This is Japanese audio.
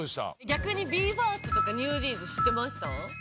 逆にＢＥ：ＦＩＲＳＴとかＮｅｗＪｅａｎｓ知ってました？